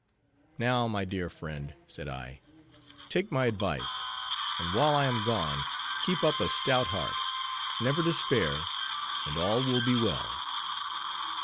"Now, my dear friend," said I, "take my advice, and while I am gone, keep up a stout heart; never despair, and all will be well."